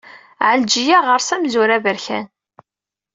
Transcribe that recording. Ɛelǧiya ɣer-s amzur aberkan.